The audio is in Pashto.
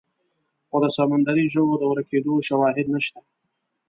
خو د سمندري ژوو د ورکېدو شواهد نشته.